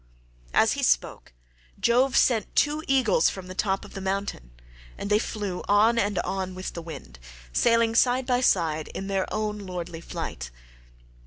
As he spoke Jove sent two eagles from the top of the mountain, and they flew on and on with the wind, sailing side by side in their own lordly flight.